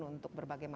untuk berbagai makmur